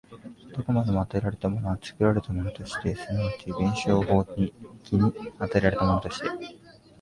どこまでも与えられたものは作られたものとして、即ち弁証法的に与えられたものとして、